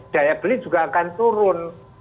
daya beli juga akan turun